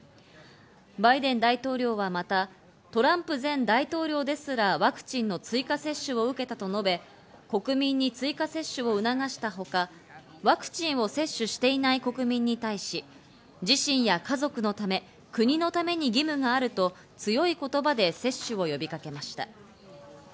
バイデン大統領はまた、トランプ前大統領ですらワクチンの追加接種を受けたと述べ、国民に追加接種を促したほか、ワクチンを接種していない国民に対し、自身や家族のため、国のために義務があると強い言葉で接種を呼びかけました。